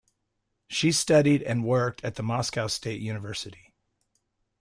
She studied and worked at the Moscow State University.